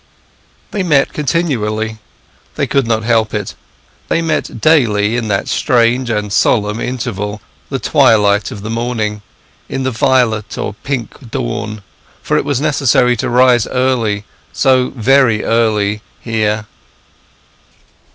They met continually; they could not help it. They met daily in that strange and solemn interval, the twilight of the morning, in the violet or pink dawn; for it was necessary to rise early, so very early, here.